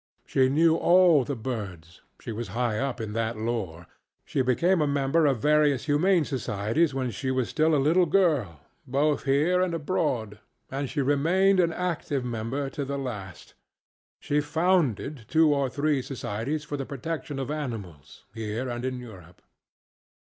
She knew all the birds; she was high up in that lore. She became a member of various humane societies when she was still a little girlŌĆöboth here and abroadŌĆöand she remained an active member to the last. She founded two or three societies for the protection of animals, here and in Europe.